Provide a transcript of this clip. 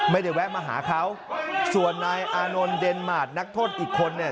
แวะมาหาเขาส่วนนายอานนท์เดนมาร์ทนักโทษอีกคนเนี่ย